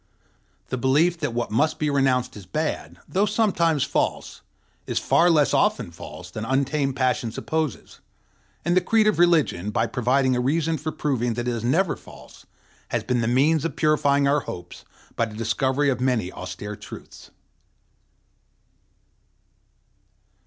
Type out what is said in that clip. The belief that what must be renounced is bad, though sometimes false, is far less often false than untamed passion supposes; and the creed of religion, by providing a reason for proving that it is never false, has been the means of purifying our hopes by the discovery of many austere truths.